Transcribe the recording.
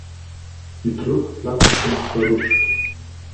Die Druckplatten sind verrutscht.